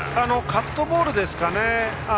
カットボールでしたかね。